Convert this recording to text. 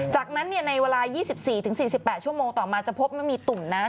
จากนั้นเนี่ยในเวลา๒๔๔๘ชั่วโมงต่อมาจะพบไม่มีตุ่มน้ำ